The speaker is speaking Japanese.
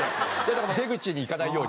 出口に行かないように。